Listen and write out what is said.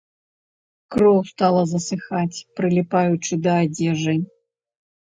Кроў стала засыхаць, прыліпаючы да адзежы.